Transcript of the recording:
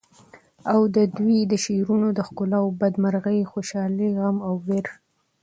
او ددوی د شعرونو د ښکلاوو بد مرغي، خوشالی، غم او وېر